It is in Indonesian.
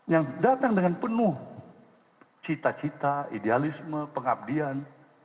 yang datang dengan penuh cita cita idealisme pengabdian